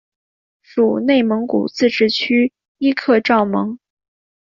属内蒙古自治区伊克昭盟。